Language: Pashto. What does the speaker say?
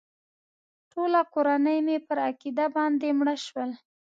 ټوله کورنۍ مې پر عقیده باندې مړه شول.